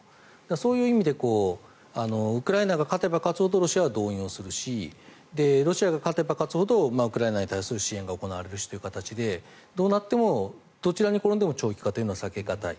そういう意味でウクライナが勝てば勝つほどロシアは動員するしロシアが勝てば勝つほどウクライナに対する支援が行われるしという形でどうなってもどちらに転んでも長期化というのは避け難い。